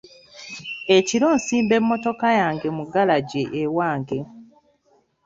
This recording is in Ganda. Ekiro nsimba emmotoka yange mu galagi ewange.